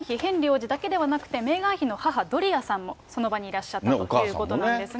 まずメーガン妃、ヘンリー王子だけではなく、メーガン妃の母、ドリアさんもその場にいらっしゃったということなんですが。